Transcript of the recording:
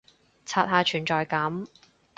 刷下存在感